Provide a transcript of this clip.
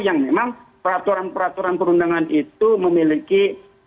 yang memang peraturan peraturan perundangan itu memiliki